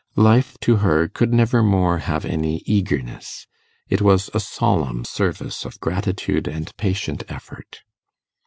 Life to her could never more have any eagerness; it was a solemn service of gratitude and patient effort.